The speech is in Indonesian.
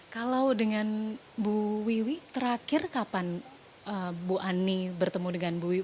kalau dengan bu wiwi terakhir kapan bu ani bertemu dengan bu wiwi